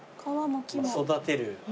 育てる。